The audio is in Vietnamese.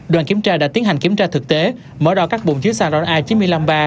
đoàn kiểm tra đã tiến hành kiểm tra thực tế mở ra các bồn chứa xăng ron a chín mươi năm ba